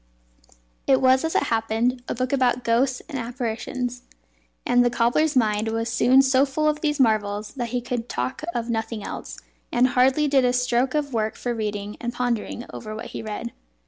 It was, as it happened, a book about ghosts and apparitions; and the cobbler's mind was soon so full of these marvels that he could talk of nothing else, and hardly did a stroke of work for reading and pondering over what he read.